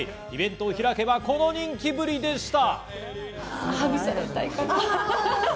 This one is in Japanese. イベントを開けば、この人気ぶりでした。